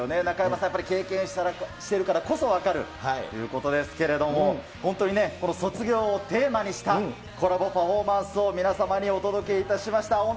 中丸さん、やっぱり経験してるからこそ分かるということですけれども、本当に、この卒業をテーマにしたコラボパフォーマンスを、皆様にお届けいたしました。